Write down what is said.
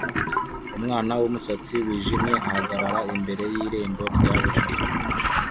Umwana wumusatsi wijimye ahagarara imbere y irembo ryabujijwe